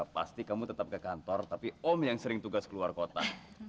pasti kamu tetap ke kantor tapi om yang sering tugas keluar kota